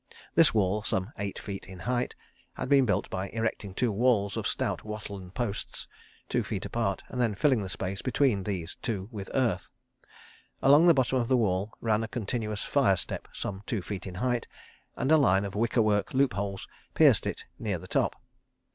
This wall, some eight feet in height, had been built by erecting two walls of stout wattle and posts, two feet apart, and then filling the space between these two with earth. Along the bottom of the wall ran a continuous fire step, some two feet in height, and a line of wicker work loop holes pierced it near the top.